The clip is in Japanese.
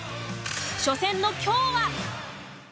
初戦の今日は。